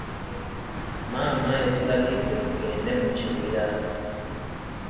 Maama yatulagidde tugende mu kibira.